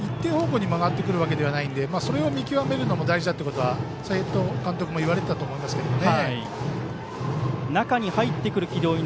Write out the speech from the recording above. このボールがあるので一定方向に曲がってくるわけではないのでそれを見極めるのも大事だというのは、斎藤監督も言われていたと思いますね。